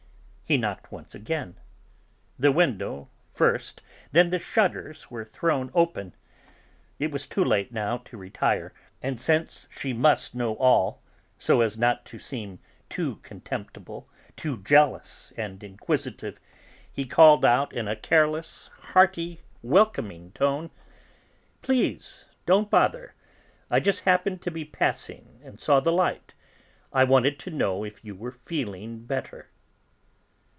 He knocked once again. The window first, then the shutters were thrown open. It was too late, now, to retire, and since she must know all, so as not to seem too contemptible, too jealous and inquisitive, he called out in a careless, hearty, welcoming tone: "Please don't bother; I just happened to be passing, and saw the light. I wanted to know if you were feeling better."